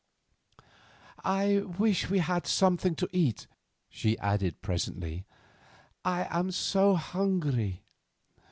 "I wish we had something to eat," she added presently; "I am so hungry."